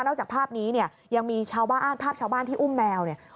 จากภาพนี้เนี่ยยังมีชาวบ้านอ้านภาพชาวบ้านที่อุ้มแมวเนี่ย